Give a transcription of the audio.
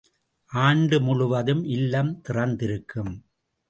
ஆண்டு முழுவதும் இல்லம் திறந்திருக்கும்.